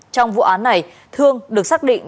trong vụ án này thương được xác định